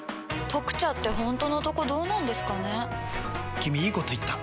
君いいこと言った！